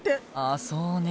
あそうね。